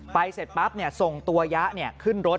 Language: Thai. ไปเสร็จปั๊บเนี่ยส่งตัวยะขึ้นรถ